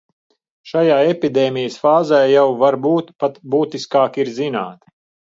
Šajā epidēmijas fāzē jau varbūt pat būtiskāk ir zināt.